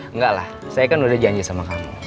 enggak lah saya kan udah janji sama kamu